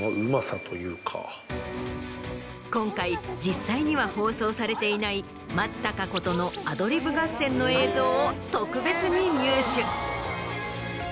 今回実際には放送されていない松たか子とのアドリブ合戦の映像を特別に入手。